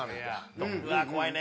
うわー怖いね。